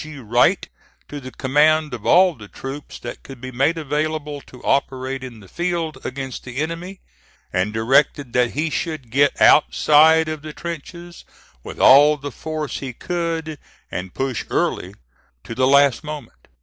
G. Wright to the command of all the troops that could be made available to operate in the field against the enemy, and directed that he should get outside of the trenches with all the force he could, and push Early to the last moment.